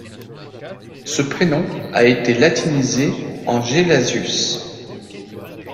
Ce prénom a été latinisé en Gélasius.